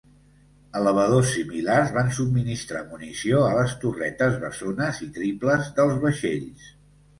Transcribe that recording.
Elevadors similars, van subministrar munició a les torretes bessones i triples dels vaixells.